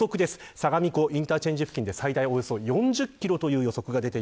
相模湖インターチェンジ付近で最大およそ４０キロという予測です。